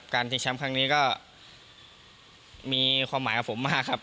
จริงแชมป์ครั้งนี้ก็มีความหมายกับผมมากครับ